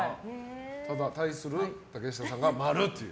対する竹下さんは○という。